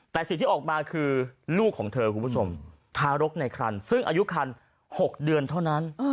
แต่สิ่งที่ออกมาคือลูกของเธอคุณผู้ชมทารกในครันซึ่งอายุคัน๖เดือนเท่านั้น